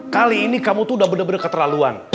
kali ini kamu tuh udah bener bener keterlaluan